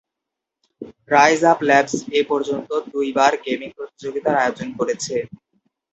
Rise Up Labs এ পর্যন্ত দুইবার গেমিং প্রতিযোগিতার আয়োজন করেছে।